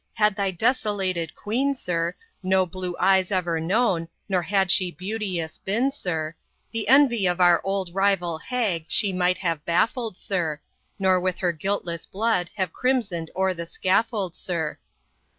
had thy desolated Queen, sir, No blue eyes ever known, nor had she beauteous been, sir, The envy of our old rival hag she might have baffled, sir, Nor with her guiltless blood have crimson'd o'er the scaffold, sir.